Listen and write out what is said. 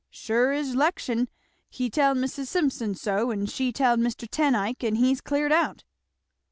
"Sure as 'lection! he telled Mis' Simpson so, and she telled Mr. Ten Eyck; and he's cleared out."